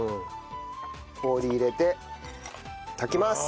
氷入れて炊きます。